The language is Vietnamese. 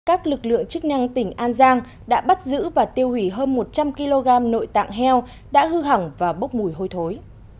các lực lượng chức năng tỉnh an giang đã bắt giữ và tiêu hủy hơn một trăm linh kg nội tạng heo đã hư hỏng và bốc mùi hôi thối